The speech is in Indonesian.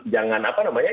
jangan apa namanya